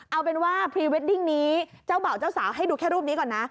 เอาเป็นว่าพรีเวดดิ้งนี้เจ้าบ่าวเจ้าสาวให้ดูแค่รูปนี้ก่อนนะ